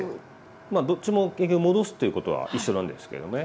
まあどっちも結局戻すということは一緒なんですけどね。